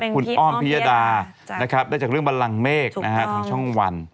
คุณอ้อมพิยาดานะครับได้จากเรื่องบันลังเมฆนะฮะถูกต้องทางช่องวัน